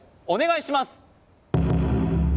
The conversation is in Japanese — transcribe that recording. お願いします